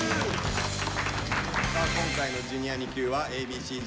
さあ今回の「Ｊｒ．にＱ」はＡ．Ｂ．Ｃ−Ｚ